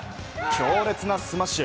強烈なスマッシュ。